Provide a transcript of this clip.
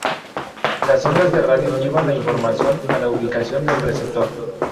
Las ondas de radio llevan la información a la ubicación del receptor.